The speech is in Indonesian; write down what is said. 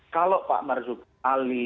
kalau pak marzuki ali